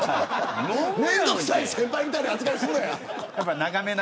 面倒くさい先輩みたいな扱いするな。